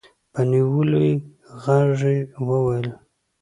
په نيولي غږ يې وويل.